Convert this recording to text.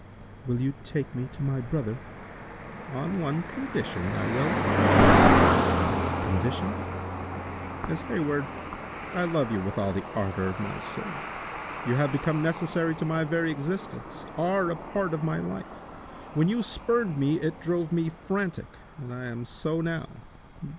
"Will you take me to my brother?" "On one condition, I will." "And this condition?" "Miss Hayward, I love you with all the ardor of my soul. You have become necessary to my very existence—are a part of my life. When you spurned me, it drove me frantic, and I am so now.